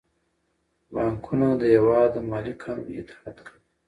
بانکونه د هیواد د مالي قانون اطاعت کوي.